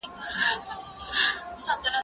زه سبزیحات پاخلي دي؟